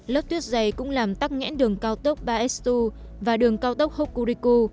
lớp tuyết dày cũng làm tắc nghẽn đường cao tốc baestu và đường cao tốc hokuriku